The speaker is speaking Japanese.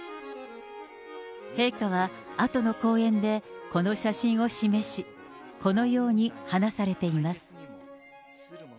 陛下は、あとの講演でこの写真を示し、このように話されています。